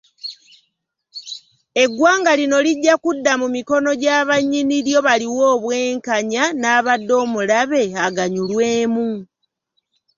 Eggwanga lino lijja kudda mu mikono gya bannyini lyo baliwe obwekanya n’abadde omulabe aganyulwemu.